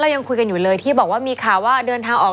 ยังคุยกันอยู่เลยที่บอกว่ามีข่าวว่าเดินทางออก